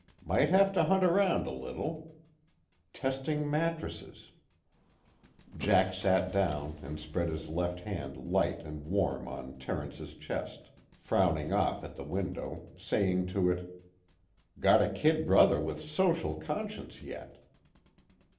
Might have to hunt around a little. Testing mattresses." Jack sat down and spread his left hand light and warm on Terence's chest, frowning off at the window, saying to it: "Got a kid brother with social conscience yet."